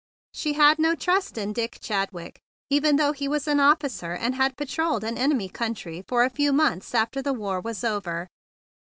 She had no trust in Dick Chadwick, even though he was an officer and had patrol¬ led an enemy country for a few months after the war was over.